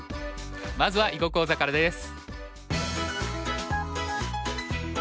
まずは囲碁講座からです。